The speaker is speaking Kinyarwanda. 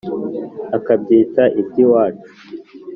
Akabyita iby'iwacu.